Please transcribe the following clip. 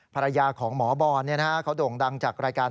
ภรรยาของหมอบอลเขาโด่งดังจากรายการ